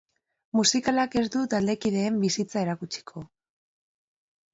Musikalak ez du taldekideen bizitza erakutsiko.